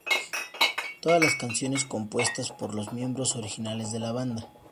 Todas las canciones compuestas por los miembros originales de la banda.